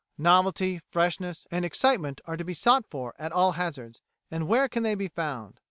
Novelty, freshness, and excitement are to be sought for at all hazards, and where can they be found?